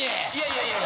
いやいや。